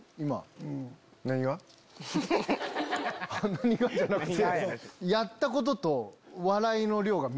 「なにが？」じゃなくて。